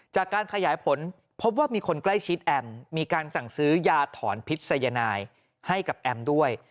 จากการขยายผลพบว่ามีคนใกล้ชิดแอมมีการสั่งซื้อยาถอนพิษยนายให้กับแอมด้วย